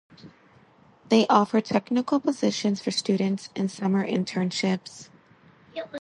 They offer technical positions for students and summer internships.